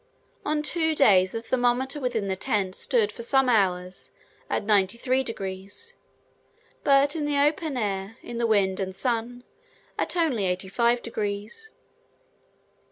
On two days, the thermometer within the tent stood for some hours at 93 degs.; but in the open air, in the wind and sun, at only 85 degs.